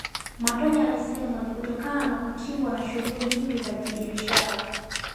Matonya alisema ni kutokana na kutingwa na shughuli nyingi za kibiashara